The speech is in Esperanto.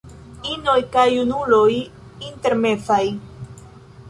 Inoj kaj junuloj intermezaj.